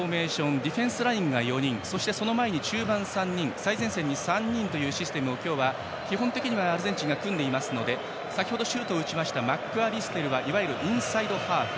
ディフェンスラインが４人そしてその前に中盤３人最前線に３人というシステムを今日は基本的にはアルゼンチンが組んでいますので先ほどシュートを打ったマックアリステルはいわゆるインサイドハーフ。